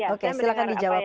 oke silakan dijawab bu adita